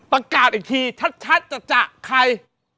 ต้องการอีกทีชัดใจใจ